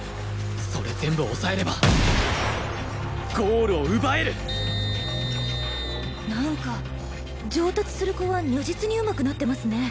それ全部押さえればゴールを奪える！なんか上達する子は如実にうまくなってますね。